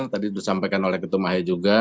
tadi disampaikan oleh ketum ahy juga